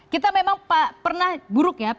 kita memang pernah buruk ya